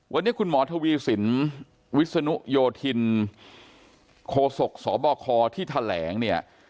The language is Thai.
วันนี้คุณหมอทวีสินวิศนุโยธินโคศกสบคที่แถลงเนี่ย